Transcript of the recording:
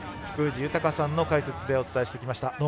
福藤豊さんの解説でお伝えしてきました。